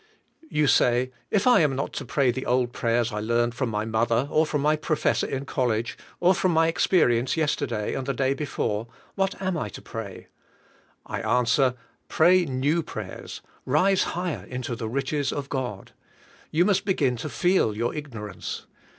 You say, "If I am not to pray the old prayers I learned from my mother or from my pro fessor in college or from m}^ experience yesterday and the day before, what am I to pray?" I answer, pray new pra3^ers, rise higher into the riches of God. You must begin to feel your ignorance.